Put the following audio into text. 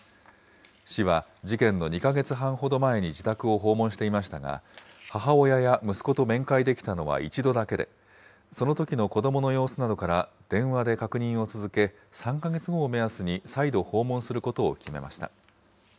市は、事件の２か月半ほど前に自宅を訪問していましたが、母親や息子と面会できたのは一度だけで、そのときの子どもの様子などから電話で確認を続け、３か月後を目安に再度訪問することを決めました。